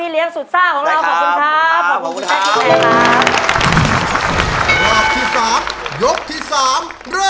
เลี้ยงสุดซ่าของเราขอบคุณครับ